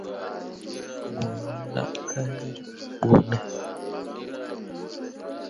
Mo yo laakalii ɓo ne ?